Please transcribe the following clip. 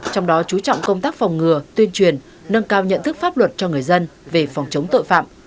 trong đó chú trọng công tác phòng ngừa tuyên truyền nâng cao nhận thức pháp luật cho người dân về phòng chống tội phạm